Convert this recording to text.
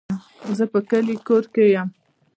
زه په خپل کور کې يم